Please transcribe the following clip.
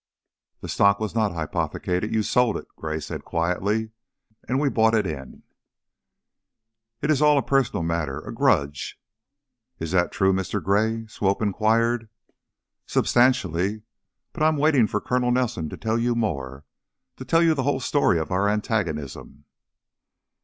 "The stock was not hypothecated. You sold it," Gray said, quietly, "and we bought it in." "It is all a personal matter, a grudge." "Is that true, Mr. Gray?" Swope inquired. "Substantially. But I'm waiting for Colonel Nelson to tell you more; to tell you the whole story of our antagonism."